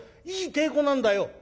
「いい太鼓なんだよ」。